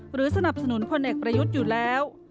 สนับสนุนพลเอกประยุทธ์อยู่แล้ว